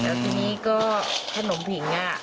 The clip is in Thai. แล้วทีนี้ก็ขนมผิง